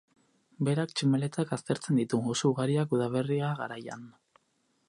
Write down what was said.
Berak tximeletak aztertzen ditu, oso ugariak udaberria garaian.